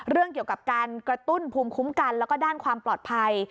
เรื่องเกี่ยวกับการกระตุ้นภูมิคุ้มกันแล้วก็ด้านความปลอดภัย